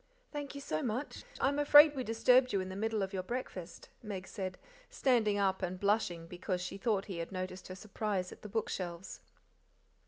"Thank you so much. I'm afraid we disturbed you in the middle of your breakfast," Meg said, standing up and blushing because she thought he had noticed her surprise at the bookshelves.